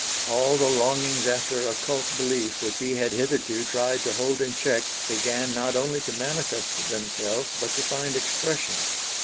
All the longings after occult belief which he had hitherto tried to hold in check began not only to manifest themselves, but to find expression.